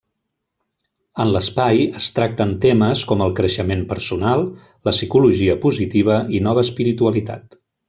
En l'espai, es tracten temes com el creixement personal, la psicologia positiva i nova espiritualitat.